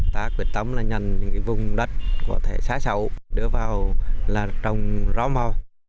ta quyết tâm nhận những vùng đất có thể xá sầu đưa vào trồng rõ mò